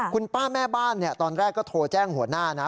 คุณป้าแม่บ้านตอนแรกก็โทรแจ้งหัวหน้านะ